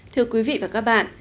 thưa quý vị và các bạn